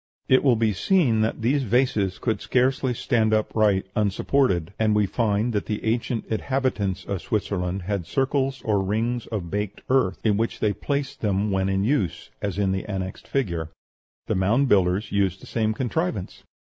It will be seen that these vases could scarcely stand upright unsupported; and we find that the ancient inhabitants of Switzerland had circles or rings of baked earth in which they placed them when in use, as in the annexed figure. The Mound Builders used the same contrivance.